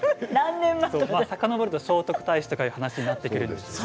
さかのぼると聖徳太子という話になるんですけれど。